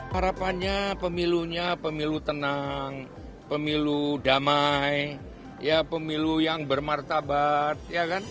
harapannya pemilunya pemilu tenang pemilu damai pemilu yang bermartabat